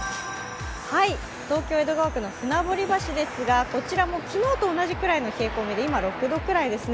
東京・江戸川区の船堀橋ですがこちらも昨日と同じくらいの冷え込みで今６度くらいですね。